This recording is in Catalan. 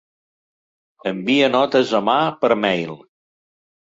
Envia notes a mà per mail.